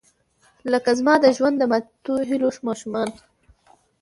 لکه زما د ژوند، د ماتوهیلو ماشومان